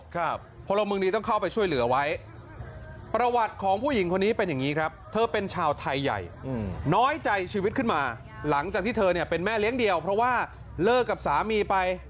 คนลงเมืองนี้ต้องเข้าไปช่วยเหลือไว้